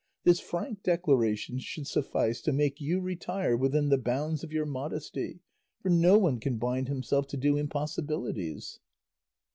This frank declaration should suffice to make you retire within the bounds of your modesty, for no one can bind himself to do impossibilities."